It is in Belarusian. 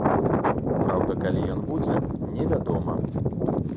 Праўда, калі ён будзе, невядома.